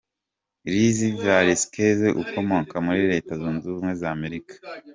Lizzie Velasquez ukomoka muri Leta Zunze Ubumwe za Amerika.